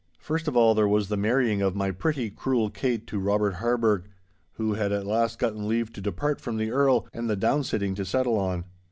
First of all there was the marrying of my pretty cruel Kate to Robert Harburgh, who had at last gotten leave to depart from the Earl, and the down sitting to settle on.